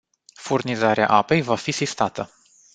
Furnizarea apei va fi sistată.